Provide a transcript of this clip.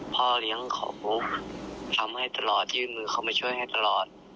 พ่อเลี้ยงเขาทำให้ตลอดยื่นมือเข้ามาช่วยให้ตลอด